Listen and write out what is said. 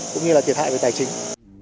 cũng như là thiệt hại về tài chính